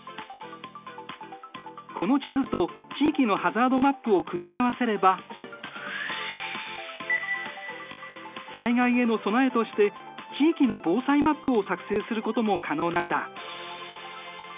この地図と地域のハザードマップを組み合わせれば災害への備えとして地域の防災マップを作製することも可能なんだ。